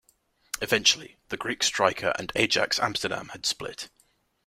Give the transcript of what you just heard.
Eventually, the Greek striker and Ajax Amsterdam had split.